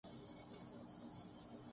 تعلیم حاصل کرنے کا حساب مانگو